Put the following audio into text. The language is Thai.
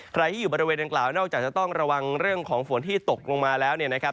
ใครที่อยู่บริเวณดังกล่าวนอกจากจะต้องระวังเรื่องของฝนที่ตกลงมาแล้วเนี่ยนะครับ